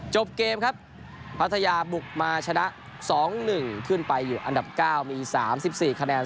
จบเกมครับพัทยาบุกมาชนะสองหนึ่งขึ้นไปอยู่อันดับเก้ามีสามสิบสี่คะแนน